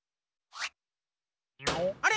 あれ？